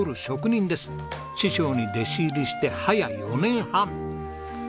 師匠に弟子入りしてはや４年半。